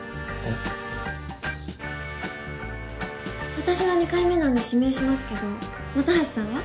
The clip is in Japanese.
私は２回目なんで指名しますけど本橋さんは？